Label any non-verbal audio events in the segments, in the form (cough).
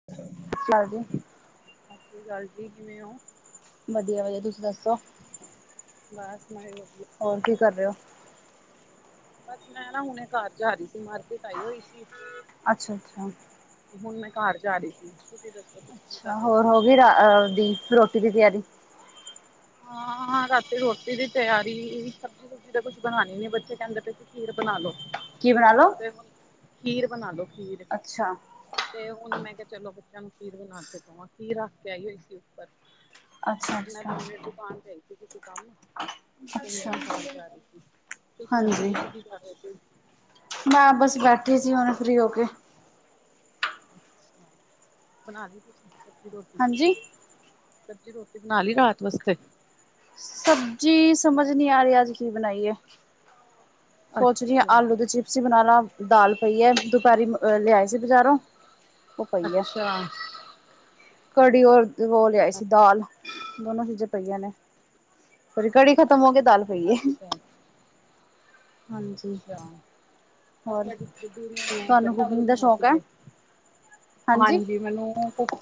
(inaudible) ਸਸਰੀ ਅਕਾਲ ਜੀ ਸਤਿ ਸ੍ਰੀ ਅਕਾਲ ਜੀ ਕਿਵੇਂ ਓ ਵਦੀਆ-ਵਦੀਆ ਤੁਸੀਂ ਦੱਸੋ ਬਾਸ ਮੈਂ ਵੀ ਵਦੀਆ। ਹੋਰ ਕੀ ਕਰ ਰਏ ਓਂ। ਬਸ ਮੈਂ ਨਾ ਹੁਨੇ ਘਰ ਜਾ ਰਈ ਸੀ ਮਾਰਕੀਟ ਆਈ ਹੋਈ ਸੀ। ਅੱਛਾ-ਅੱਛਾ। ਹੁਨ ਮੈਂ ਘਰ ਜਾ ਰਈ ਸੀ ਤੁਸੀਂ ਦੱਸੋ ਤੁਸੀਂ ਕੀ ਕਰ ਅੱਛਾ ਰਹੇ ਹੋਰ ਸੀ ਹੋਗੀ ਰਾ ਰਾਤ ਦੀ ਰੋਟੀ ਦੀ ਤਿਆਰੀ। ਹਾਂ-ਹਾਂ ਰਾਤੀ ਰੋਟੀ ਦੀ ਤਿਆਰੀ ਸਬਜੀ ਸਬਜ਼ੀ ਤਾਂ ਕੁਛ ਬਨਾਨੀ ਨੀ ਬੱਚੇ ਕੈਂਦੇ ਪਏ ਸੀ ਖੀਰ ਬਨਾ ਲੋ। ਕੀ ਬਨਾ ਲੋ? ਫੇਰ ਹੁਨ, ਖੀਰ ਬਨਾ ਲੋ ਖੀਰ। ਅੱਛਾ। ਤੇ ਹੁਨ ਮੈਂ ਕਿਆ ਚਲੋ ਬੱਚੇਆਂ ਨੂੰ ਖੀਰ ਬਨਾ ਕੇ ਦਵਾਂ ਖੀਰ ਰੱਖ ਕੇ ਆਈ ਹੋਈ ਸੀ ਉੱਪਰ। ਤੇ ਮੈਂ ਦੋ ਅੱਛਾ-ਅੱਛਾ। (unintelligible) ਆਈ ਸੀ ਕਿਸੇ ਕੰਮ ਅੱਛਾ ਮੈਂ ਖਾਨ ਜਾ ਰਈ ਸੀ, ਤੁਸੀਂ ਦੱਸੋ ਹਾਂਜੀ ਤੁਸੀਂ ਕੀ ਕਰ ਰਏ ਸੀ। ਮੈਂ ਬਸ ਬੈਠੀ ਸੀ ਹੁਨੇ ਫਰੀ ਹੋ ਕੇ। ਅੱਛਾ, ਬਨਾਲੀ ਤੁਸੀਂ ਸਬਜ਼ੀ ਰੋਟੀ। ਹਾਂਜੀ ਸਬਜ਼ੀ ਰੋਟੀ ਬਨਾਲੀ ਰਾਤ ਵਾਸਤੇ। ਸਬਜ਼ੀ ਸਮਝ ਨੀ ਆ ਰੇਆ ਅੱਜ ਕੀ ਬਨਾਈਏ। ਸੋਚ ਰਈ ਆਂ ਅੱਛਾ ਆਲੂ ਦੇ ਚਿਪਸ ਈ ਬਨਾਲਾ ਦਾਲ ਪਈ ਐ ਦੁਪੈਰੀ ਅ ਲਿਆਏ ਸੀ ਬਜ਼ਾਰੋਂ। ਉਹ ਪਈ ਹੈ ਅੱਛਾ। ਕੜੀ ਔਰ ਓ ਲਿਆਈ ਸੀ ਦਾਲ, ਦੋਨੋਂ ਚੀਜ਼ਾਂ ਪਈਆਂ ਨੇ। ਫਿਰ ਕੜੀ ਖ਼ਤਮ ਹੋਗੀ, ਦਾਲ ਪਈ ਐ। ਅੱਛਾ ਹਾਂਜੀ। ਅੱਛਾ ਹੋਰ ਅਸੀਂ ਅੱਜ ਦਿਨੇ ਤੁਹਾਨੂੰ ਕੜੀ ਚਾਵਲ ਕੁਕਿੰਗ ਦਾ ਬਨਾਏ ਸ਼ੌਕ ਹੈ ਸੀਗੇ। ਹਾਂਜੀ ਮੈਨੂੰ ਭੁਖ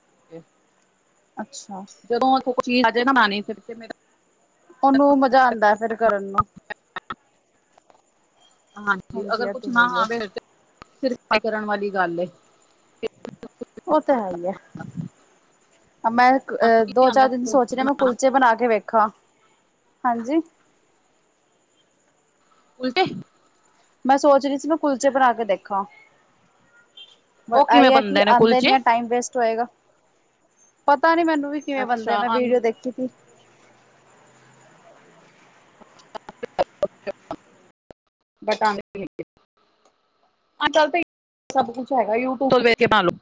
(inaudible) ਅੱਛਾ। ਜੋ ਕੋਈ ਚੀਜ ਆਜੇ ਨਾ ਮੈਂ ਨੀ ਫਿਰ ਮੇਰਾ ਓਨੂੰ ਮਜ਼ਾ ਆਂਦਾ ਫਿਰ ਕਰਨ ਨੂੰ। ਹਾਂਜੀ, ਅਗਰ ਇਹ ਕੁਛ ਤੇ ਹੈ ਨਾ ਹੀ ਹੈ ਆਵੇ ਸਿਰ (unintelligible) ਕਰਨ ਵਾਲੀ ਗੱਲ ਏ। ਓ ਤੇ ਹੈਈ ਐ, ਆ ਮੈਂ ਅਹ ਤੁਹਾਨੂੰ ਕੀ ਆਂਦਾ ਦੋ-ਚਾਰ ਦਿਨ ਸੋਚ ਕੁਲਚੇ ਰਈ ਆਂ ਮੈਂ ਬਣਾਣਾ ਕੁਲਚੇ ਬਨਾ ਕੇ ਵੇਖਾਂ, ਹਾਂਜੀ। ਉਲਟੇ ਮੈਂ ਸੋਚ ਰਈ ਸੀ ਮੈਂ ਕੁਲਚੇ ਬਨਾ ਕੇ ਦੇਖਾਂ। ਉਹ ਕਿਵੇਂ ਐਈ ਐ ਕੇ ਬਣਦੇ ਨੇ ਆਂਦੇ ਨੀ ਕੁਲਚੇ ਆ ਟਾਈਮ ਵੇਸਟ ਹੋਏਗਾ, ਪਤਾ ਨੀ ਮੈਨੂੰ ਵੀ ਕਿਵੇਂ ਬਨਦੇ ਅੱਛਾ ਮੈਂ ਵੀਡੀਓ ਆਂਦੇ ਦੇਖੀ ਤੀ। (inaudible) ਅੱਜ-ਕੱਲ ਤਾਂ ਸਬ ਕੁਛ ਹੈਗਾ ਯੂਟਿਊਬ ਤੋਂ ਵੇਖ ਕੇ ਪਾ ਲੋ।